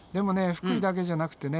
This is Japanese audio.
福井だけじゃなくてね